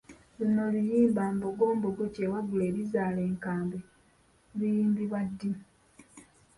Luno luyimba ‘Mbogo mbogo kyewaggula erizaala enkambwe’ luyimbibwa ddi?